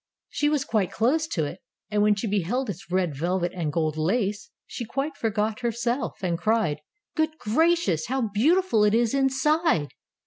She was quite close to it, and when she beheld its red velvet and gold lace, she quite forgot herself, and cried, "'Good gracious, how beautiful it is inside!